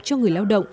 cho người lao động